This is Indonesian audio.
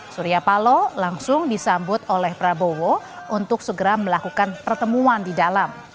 surya paloh langsung disambut oleh prabowo untuk segera melakukan pertemuan di dalam